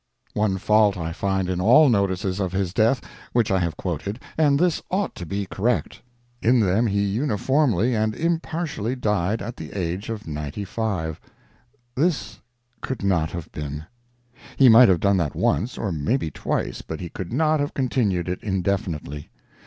One fault I find in all the notices of his death I have quoted, and this ought to be corrected. In them he uniformly and impartially died at the age of 95. This could not have been. He might have done that once, or maybe twice, but he could not have continued it indefinitely.